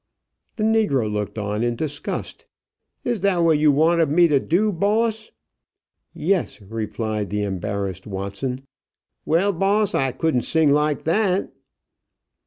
The negro looked on in disgust. "Is that what you wanted me to do, boss?" "Yes," replied the embarrassed Watson. "Well, boss, I couldn't sing like that."